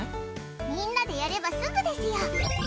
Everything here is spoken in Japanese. みんなでやれば、すぐですよ！